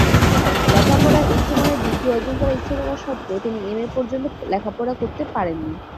লেখা পড়ায় উচ্চ মানের ডিগ্রী অর্জন করার ইচ্ছা থাকা সত্ত্বেও তিনি এমএ পর্যন্ত লেখাপড়া করতে পারেননি।